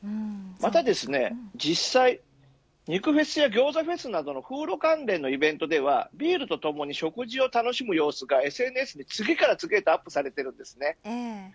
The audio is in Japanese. また実際肉フェスやギョーザフェスなどのフード関連のイベントではビールとともに食事を楽しむ様子がＳＮＳにアップされています。